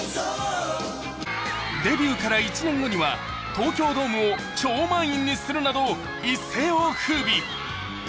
デビューから、１年後には東京ドームを超満員にするなど一世をふうび。